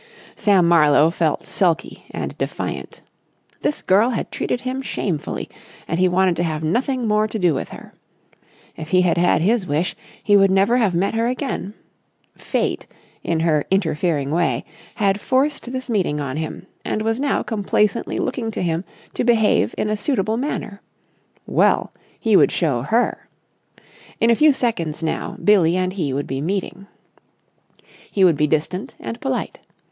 Sam Marlowe felt sulky and defiant. This girl had treated him shamefully and he wanted to have nothing more to do with her. If he had had his wish, he would never have met her again. Fate, in her interfering way, had forced this meeting on him and was now complacently looking to him to behave in a suitable manner. Well, he would show her! In a few seconds now, Billie and he would be meeting. He would be distant and polite.